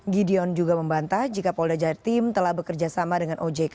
gideon juga membantah jika polda jatim telah bekerjasama dengan ojk